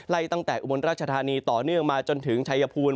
ไล่ตั้งแต่อุบรรษรฐานีต่อเนื่องมาจนถึงไชยภูล